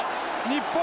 日本